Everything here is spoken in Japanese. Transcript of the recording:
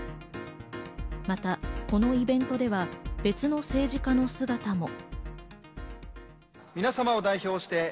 また、このイベントでは別の政治家の姿も。